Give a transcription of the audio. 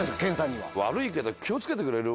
悪いけど気を付けてくれる？